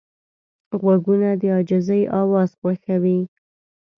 غوږونه د عاجزۍ اواز خوښوي